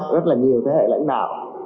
rất là nhiều thế hệ lãnh đạo